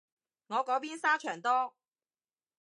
我嗰邊沙場多